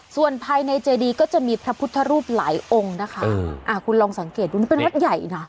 ส่วนภายในเจดีก็จะมีพระพุทธรูปหลายองค์นะคะอ่าคุณลองสังเกตดูนี่เป็นวัดใหญ่นะ